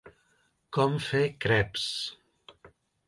Com fer creps.